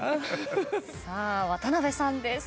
さあ渡辺さんです。